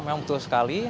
memang betul sekali